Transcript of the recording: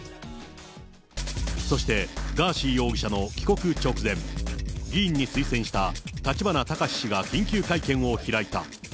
そしてガーシー容疑者の帰国直前、議員に推薦した立花孝志氏が緊急会見を開いた。